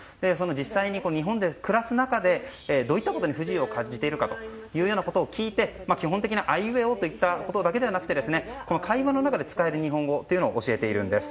実際に日本で暮らす中でどういったことに不自由を感じているかということを聞いて基本的なあいうえおといったことだけではなくて会話の中で使える日本語を教えているんです。